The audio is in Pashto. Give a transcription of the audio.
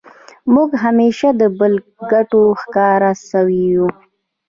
موږ همېشه د بل د ګټو ښکار سوي یو.